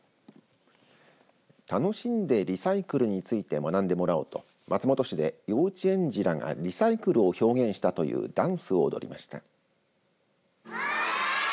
楽しんでリサイクルについて学んでもらおうと松本市で幼稚園児らがリサイクルを表現したというダンスを踊りました。